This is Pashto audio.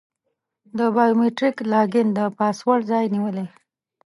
د بایو میتریک لاګین د پاسورډ ځای نیولی.